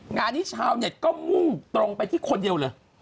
งานนี้ชาวเนี่ยตรงก้นเป็นคนเดียวเลย